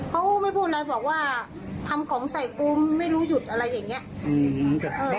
เขาไม่พูดอะไรบอกว่าทำของใส่ปูมไม่รู้หยุดอะไรอย่างเงี้ยอืม